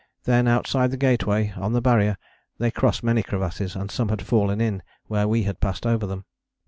Then outside the Gateway, on the Barrier, they crossed many crevasses, and some had fallen in where we had passed over them."